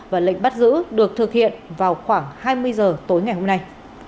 và lệnh bắt giữ được thực hiện vào khoảng hai mươi giờ tối ngày hôm nay